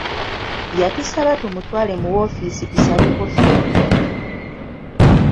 Yatusaba tumutwale mu woofiisi tusabeko ffenna.